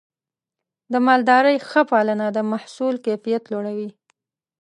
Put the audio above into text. د مالدارۍ ښه پالنه د محصول کیفیت لوړوي.